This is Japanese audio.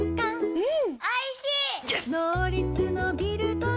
うん。